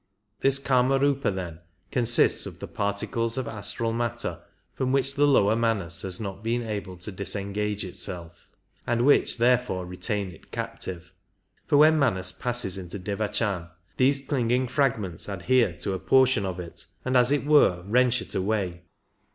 This Kamariipa then consists of the particles of astral matter from which the lower Manas has not been able to disengage itself, and which therefore retain it captive; for when Manas passes into Devachan these clinging fragments adhere to a portion of it and as it were wrench it away.